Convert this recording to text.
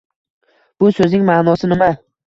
Bu so'zning ma’nosi nima?